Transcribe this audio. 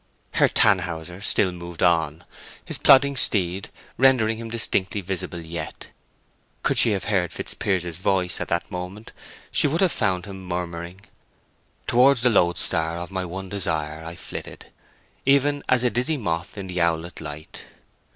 Herr Tannhäuser still moved on, his plodding steed rendering him distinctly visible yet. Could she have heard Fitzpiers's voice at that moment she would have found him murmuring— "...Towards the loadstar of my one desire I flitted, even as a dizzy moth in the owlet light."